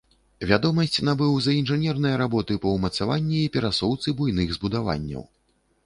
Вядомасць набыў за інжынерныя работы па ўмацаванні і перасоўцы буйных збудаванняў.